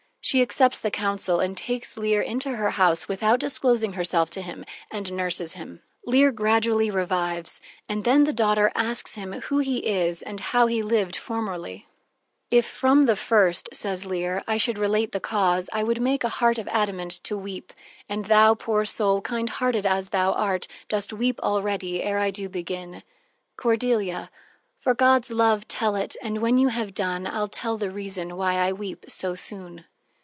She accepts the counsel and takes Leir into her house without disclosing herself to him, and nurses him. Leir gradually revives, and then the daughter asks him who he is and how he lived formerly: "If from the first," says Leir, "I should relate the cause, I would make a heart of adamant to weep. And thou, poor soul, kind hearted as thou art, Dost weep already, ere I do begin." Cordelia: "For God's love tell it, and when you have done I'll tell the reason why I weep so soon."